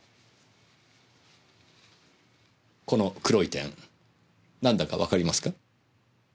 この黒い点なんだかわかりますか？